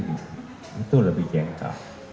itu lebih gentle